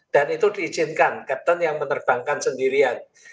dan itu diizinkan kapten yang menerbangkan sendirian